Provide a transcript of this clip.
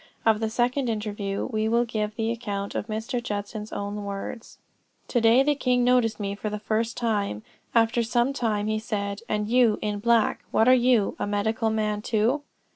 Of the second interview, we will give the account in Mr. Judson's own words. "To day the king noticed me for the first time.... After some time he said, 'And you, in black, what are you? a medical man too?'